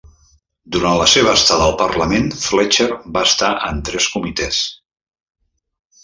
Durant la seva estada al Parlament, Fletcher va estar en tres comitès.